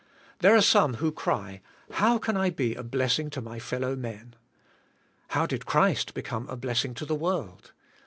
There are some who cry, How can I be a blessing" to my fellow men ? How did Christ be come a blessing to the world